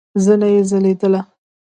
زنه يې ځليدله.